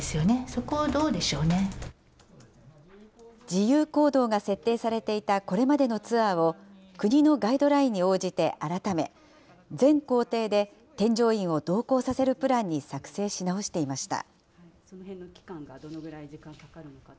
自由行動が設定されていたこれまでのツアーを、国のガイドラインに応じて改め、全行程で添乗員を同行させるプランに作成し直していました。